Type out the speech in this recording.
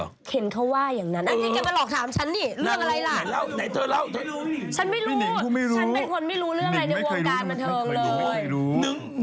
เห็นเขาว่าอย่างนั้น